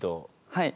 はい。